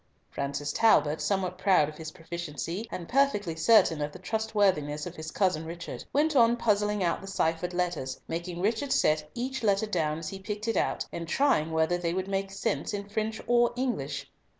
Francis Talbot, somewhat proud of his proficiency, and perfectly certain of the trustworthiness of his cousin Richard, went on puzzling out the ciphered letters, making Richard set each letter down as he picked it out, and trying whether they would make sense in French or English.